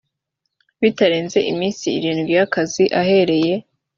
bitarenze iminsi irindwi y’ akazi ahereye